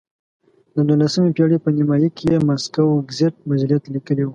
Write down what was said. د نولسمې پېړۍ په نیمایي کې یې ماسکو ګزیت مجلې ته لیکلي وو.